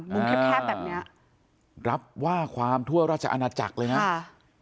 แคบแคบแบบเนี้ยรับว่าความทั่วราชอาณาจักรเลยนะค่ะ